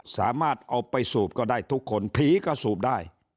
สามารถเอาไปสูบก็ได้ทุกคนผีก็สูบได้